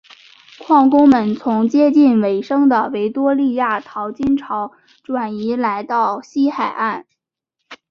矿工们从接近尾声的维多利亚淘金潮转移来到西海岸。